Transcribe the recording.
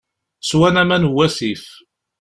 Swan aman n wasif.